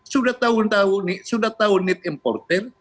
sudah tahun tahun ini sudah tahun need importer